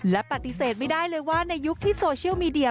และปฏิเสธไม่ได้เลยว่าในยุคที่โซเชียลมีเดีย